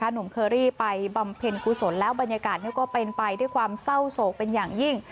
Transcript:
หนุ่มเคอรี่ไปบำเพ็ญกุศลแล้วบรรยากาศก็เป็นไปด้วยความเศร้าโศกเป็นอย่างยิ่ง